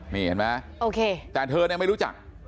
นี่เห็นไหมโอเคแต่เธอเนี่ยไม่รู้จัก